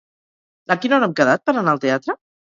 A quina hora hem quedat per anar al teatre?